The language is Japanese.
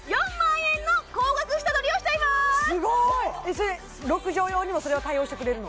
それ６畳用にもそれは対応してくれるの？